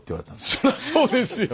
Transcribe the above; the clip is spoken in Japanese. そりゃそうですよ。